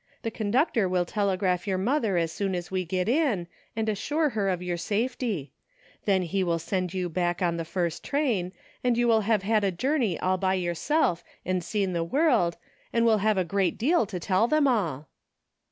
The conductor will telegraph your mother as soon as we get in, and assure her of your safety ; then he will send you back on the first train, and you will have had a journey all by yourself and seen the world, and will have a great deal to tell them all."